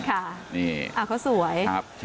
อ้าวเขาสวย